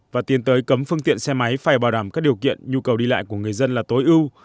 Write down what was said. và tiến tới cấm phương tiện xe máy phải bảo đảm các điều kiện nhu cầu đi lại của người dân là tối ưu